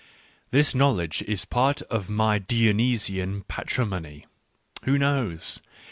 This knowledge is part of my Dionysian patrimony. Who knows